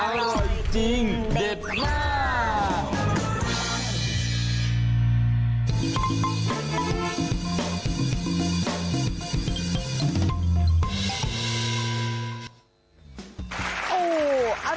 อร่อยจริงเด็ดมาก